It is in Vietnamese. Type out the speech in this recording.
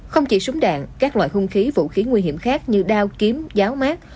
không chỉ súng đạn các loại hung khí vũ khí nguy hiểm khác như đao kiếm giáo mát